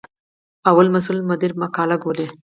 لومړی مسؤل مدیر مقاله ګوري.